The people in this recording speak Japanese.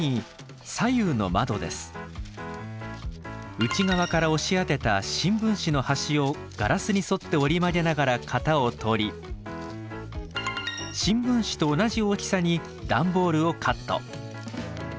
内側から押し当てた新聞紙の端をガラスに沿って折り曲げながら型をとり新聞紙と同じ大きさに段ボールをカット。